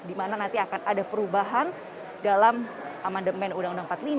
dimana nanti akan ada perubahan dalam amendement uu dasar seribu sembilan ratus empat puluh lima